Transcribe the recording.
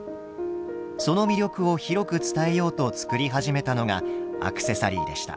その魅力を広く伝えようと作り始めたのがアクセサリーでした。